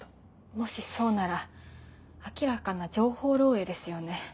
もしそうなら明らかな情報漏洩ですよね。